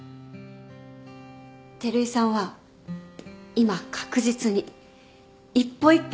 照井さんは今確実に一歩一歩前に進んでる。